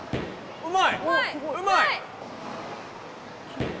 うまい！